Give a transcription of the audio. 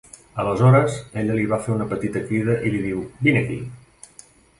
Aleshores, ella li fa una petita crida i li diu: "Vine aquí!"